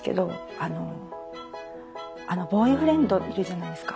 あのあのボーイフレンドいるじゃないですか。